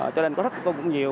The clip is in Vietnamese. cho nên có rất là nhiều